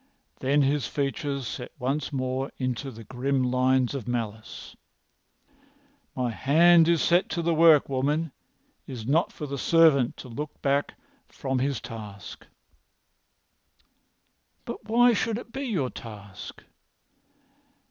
Then his features set once more into their grim lines of malice. "My hand is set to the work, woman. It is not for the servant to look back from his task." "But why should this be your task?"